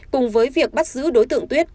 cùng với việc bắt giữ đối tượng tuyết